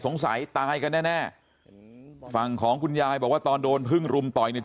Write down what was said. สงสัยตายกันแน่แน่ฝั่งของคุณยายบอกว่าตอนโดนพึ่งรุมต่อยเนี่ย